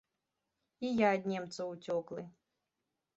І я ад немцаў уцёклы.